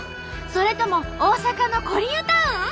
それとも大阪のコリアタウン？